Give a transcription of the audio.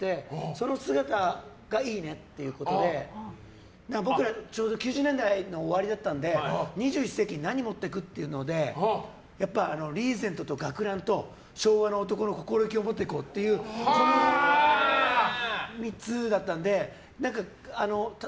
その姿がいいねっていうことで僕ら９０年代の終わりだったので２１世紀に何を持っていくってリーゼントと学ランと昭和の男の心意気を持っていこうっていうこの３つだったので。